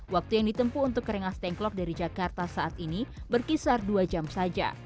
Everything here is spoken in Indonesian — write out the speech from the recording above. waktu yang ditempu untuk keringas dengklok dari jakarta saat ini berkisar dua jam saja